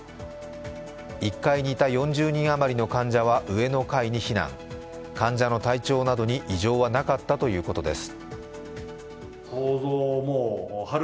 １階にいた４０人あまりの患者は上の階に避難、患者の体調などに異常はなかったということです。